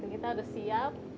kita harus siap